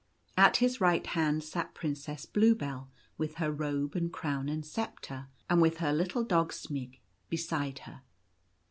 At his right hand sat Princess Bluebell, with her robe and crown and sceptre, and with her little dog Smg beside her.